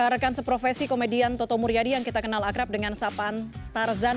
rekan seprofesi komedian toto muryadi yang kita kenal akrab dengan sapan tarzan